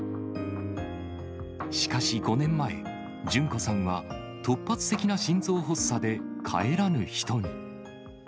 しかし５年前、淳子さんは突発的な心臓発作で帰らぬ人に。